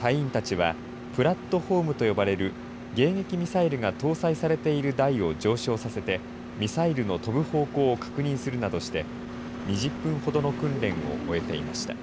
隊員たちはプラットホームと呼ばれる迎撃ミサイルが搭載されている台を上昇させて、ミサイルの飛ぶ方向を確認するなどして２０分ほどの訓練を終えていました。